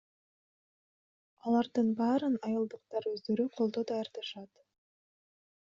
Алардын баарын айылдыктар өздөрү колдо даярдашат.